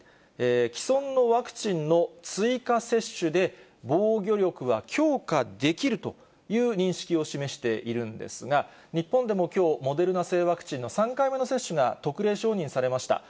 既存のワクチンの追加接種で、防御力は強化できるという認識を示しているんですが、日本でもきょう、モデルナ製ワクチンの３回目の接種が特例承認されました。